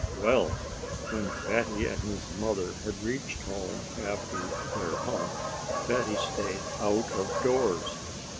Well! when Fatty and his mother had reached home after their hunt, Fatty stayed out of doors.